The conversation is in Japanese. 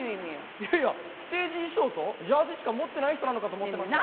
いやいやステージ衣装とジャージーしか持ってない人なのかと思ってました。